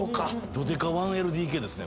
どでか１ＬＤＫですね。